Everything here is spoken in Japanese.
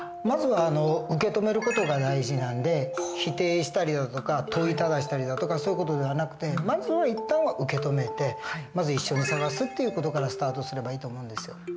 まずは受け止める事が大事なんで否定したりだとか問いただしたりだとかそういう事ではなくてまずは一旦は受け止めてまず一緒に捜すという事からスタートすればいいと思うんですよ。